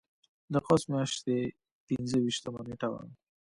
د قوس میاشتې پنځه ویشتمه نېټه وه.